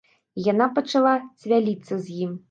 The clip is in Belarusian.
І яна пачала цвяліцца з ім.